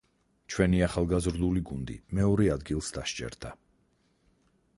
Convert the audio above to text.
ჩვენი ახალგაზრდული გუნდი მეორე ადგილს დასჯერდა.